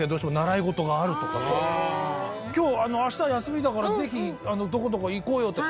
今日明日休みだからぜひどこどこ行こうよ。